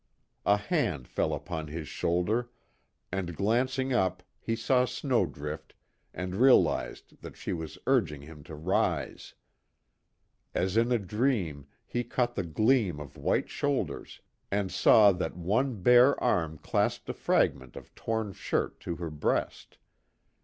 A hand fell upon his shoulder, and glancing up he saw Snowdrift and realized that she was urging him to rise. As in a dream he caught the gleam of white shoulders, and saw that one bare arm clasped a fragment of torn shirt to her breast.